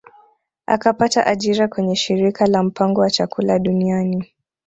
Akapata ajira kwenye shirika la mpango wa chakula duniani